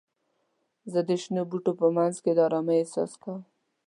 زه د شنو بوټو په منځ کې د آرامۍ احساس کوم.